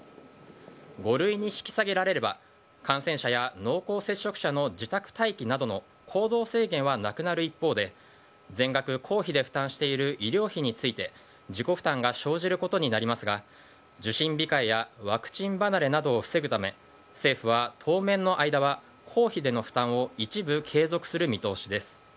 ５類に引き下げられれば感染者や濃厚接触者の自宅待機などの行動制限はなくなる一方で全額公費で負担している医療費について自己負担が生じることになりますが受診控えやワクチン離れなどを防ぐため政府は当面の間は公費での負担を一部継続する見通しです。